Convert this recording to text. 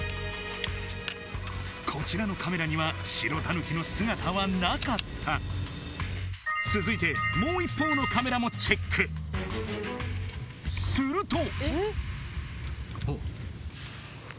こちらのカメラには白タヌキの姿はなかった続いてもう一方のカメラもチェックすると！